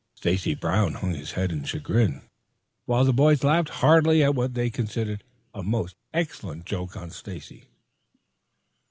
Stacy Brown hung his head in chagrin, while the boys laughed heartily at what they considered a most excellent joke on Stacy.